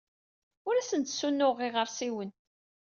Ur asen-d-ssunuɣeɣ iɣersiwen.